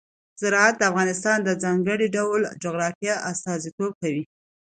زراعت د افغانستان د ځانګړي ډول جغرافیه استازیتوب کوي.